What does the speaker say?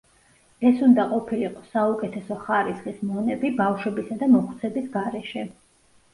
ეს უნდა ყოფილიყო საუკეთესო ხარისხის მონები, ბავშვებისა და მოხუცების გარეშე.